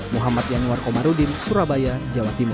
muhammad yanuar komarudin surabaya jawa timur